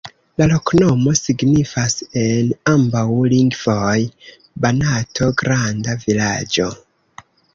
La loknomo signifas en ambaŭ lingvoj: Banato-granda-vilaĝo.